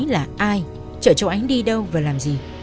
là ai chở cháu ánh đi đâu và làm gì